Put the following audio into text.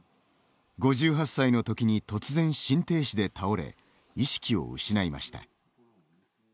５８歳のときに突然心停止で倒れ意識を失いました。